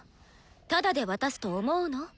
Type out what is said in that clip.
タダで渡すと思うの？